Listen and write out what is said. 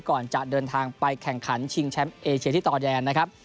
ก่อนจะเดินทางไปแข่งขันชิงแชมป์เอเชียที่ต่อแดนนะครับ